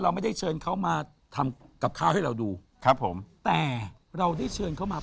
เราไม่ได้เชิญเขามาทำกับข้าวให้เราดูครับผมแต่เราได้เชิญเข้ามา